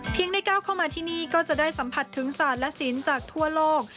ได้ก้าวเข้ามาที่นี่ก็จะได้สัมผัสถึงศาสตร์และศิลป์จากทั่วโลก